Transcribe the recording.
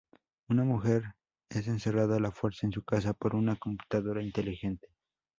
Una mujer es encerrada a la fuerza en su casa por una computadora inteligente.